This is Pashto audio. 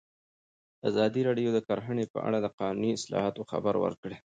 ازادي راډیو د کرهنه په اړه د قانوني اصلاحاتو خبر ورکړی.